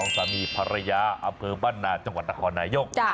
๒สำนีบภรรยาบันน่าจังหวัดนครุณายุทธ์